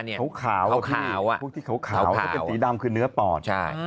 มันขาวอ่ะที่ขาวก็เป็นสีดำคือเนื้อปอด